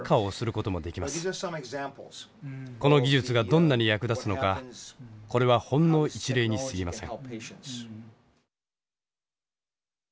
この技術がどんなに役立つのかこれはほんの一例にすぎません。